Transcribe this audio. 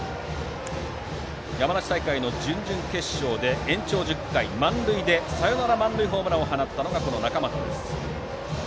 山梨大会の準々決勝で延長１０回サヨナラ満塁ホームランを放った中俣です。